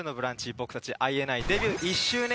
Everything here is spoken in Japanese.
僕たちＩＮＩデビュー１周年